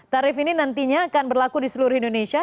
tarif ini nantinya akan berlaku di seluruh indonesia